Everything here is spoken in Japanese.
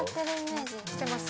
してます？